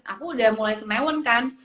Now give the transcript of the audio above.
aku udah mulai semewon kan